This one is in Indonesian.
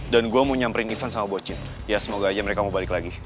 dan gue mau nyamperin ivan sama bocin ya semoga aja mereka mau balik lagi